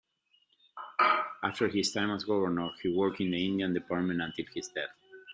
After his time as governor, he worked in the Indian Department until his death.